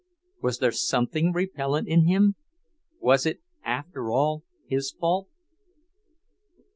Was there something repellent in him? Was it, after all, his fault?